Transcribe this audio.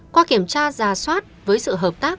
qua kiểm tra ra soát với sự hợp tác